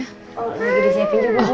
oh lagi disiapin juga